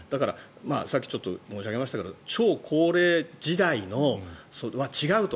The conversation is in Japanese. さっきちょっと申し上げましたが超高齢時代は違うと。